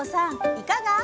いかが？